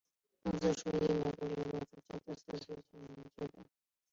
自此美国联邦政府出现廿多次次资金短缺。